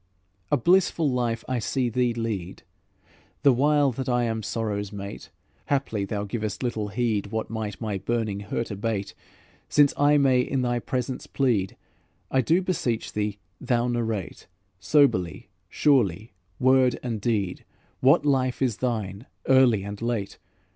"A blissful life I see thee lead, The while that I am sorrow's mate; Haply thou givest little heed What might my burning hurt abate. Since I may in thy presence plead, I do beseech thee thou narrate, Soberly, surely, word and deed, What life is thine, early and late?